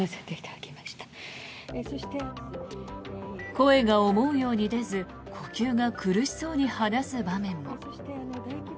声が思うように出ず呼吸が苦しそうに話す場面も。